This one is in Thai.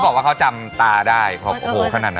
เค้าบอกว่าเค้าจำตาได้เพราะโอ้โฮขนาดนั้นเลย